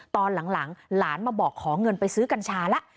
ตอนหลังหลานมาบอกขอเงินไปซื้อกัญชาแล้ว